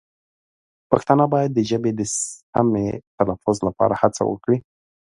پښتانه باید د ژبې د سمې تلفظ لپاره هڅه وکړي.